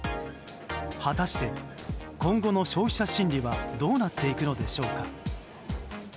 果たして、今後の消費者心理はどうなっていくのでしょうか。